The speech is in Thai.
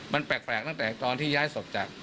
มันแปลกตั้งแต่ตอนที่ย้ายศพจาก